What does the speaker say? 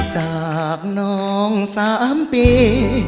จากน้องสามปี